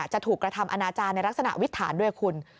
จะถูกกระทำอนาจารย์ในลักษณะวิถานด้วยคุณ